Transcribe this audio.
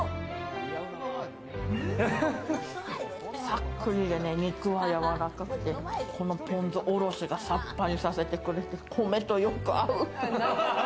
さっくりでね、肉はやわらかくて、このぽん酢おろしがさっぱりさせてくれて、米とよく合う。